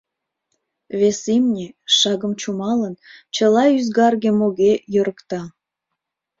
Вес имне, шагым чумалын, чыла ӱзгарге-моге йӧрыкта.